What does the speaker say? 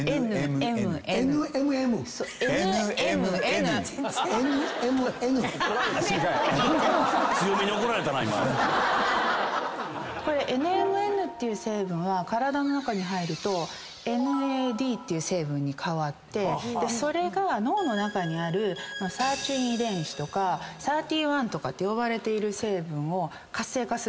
「ＮＭＮ」これＮＭＮっていう成分は体の中に入るとＮＡＤっていう成分に変わってそれが脳の中にあるサーチュイン遺伝子とかサーティワンとかって呼ばれている成分を活性化するんですよね。